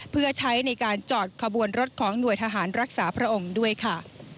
เพื่อใช้ในการจอดขบวนรถของหน่วยทหารรักษาพระองค์ด้วยค่ะ